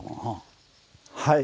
はい。